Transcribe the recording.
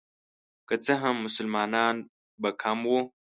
که څه هم مسلمانان به کم وو.